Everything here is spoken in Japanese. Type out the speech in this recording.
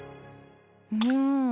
うん。